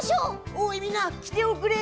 おいみんなきておくれ！